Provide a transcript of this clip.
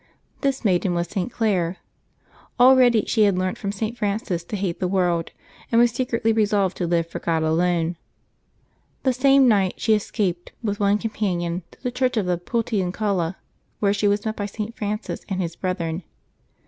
This maiden was St. Clare. Already she had August 13] LIVES OF THE SAINTS 279 learnt from St. Francis to hate the world, and was secretly resolved to live for God alone. The same night she es caped, with one companion, to the Church of the Por tiuncnla, where she was met by St. Francis and his brethren.